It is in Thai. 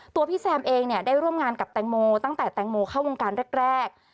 พี่แซมเองเนี่ยได้ร่วมงานกับแตงโมตั้งแต่แตงโมเข้าวงการแรก